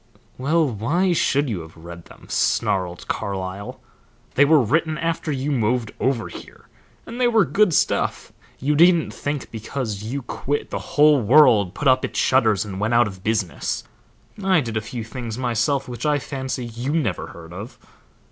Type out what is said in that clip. "Well, why should you have read them?" snarled Carlyle. "They were written after you moved over here, and they were good stuff. You needn't think because you quit, the whole world put up its shutters and went out of business. I did a few things myself which I fancy you never heard of."